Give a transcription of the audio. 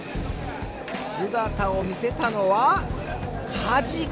姿を見せたのはカジキ。